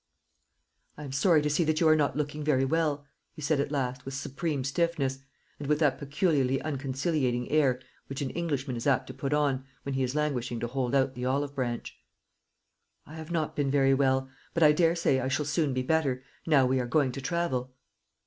"I am sorry to see that you are not looking very well," he said at last, with supreme stiffness, and with that peculiarly unconciliating air which an Englishman is apt to put on, when he is languishing to hold out the olive branch. "I have not been very well; but I daresay I shall soon be better, now we are going to travel."